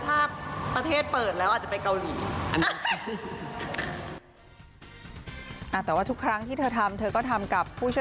เหมือนกระตามวันอ่ะ